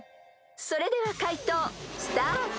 ［それでは解答スタート！］